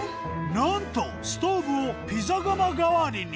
なんとストーブをピザ窯代わりに！